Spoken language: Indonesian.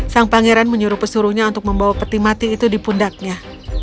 sang pangeran menyuruh pesuruhnya untuk membawa peti mati itu di pundaknya